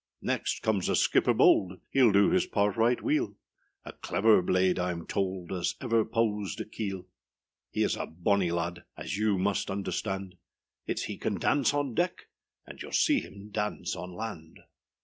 Next comes a skipper bold, Heâll do his part right weelâ A clever blade Iâm told As ever pozed a keel. He is a bonny lad, As you must understand; Itâs he can dance on deck, And youâll see him dance on land.